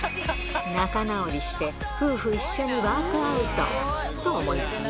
仲直りして、夫婦一緒にワークアウト。と思いきや。